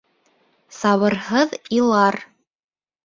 Сабырһыҙ илар.